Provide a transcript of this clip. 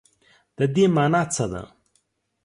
د دې مانا څه ده ؟